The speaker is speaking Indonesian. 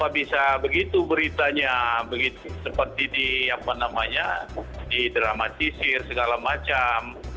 bisa begitu beritanya seperti di apa namanya di drama cisir segala macam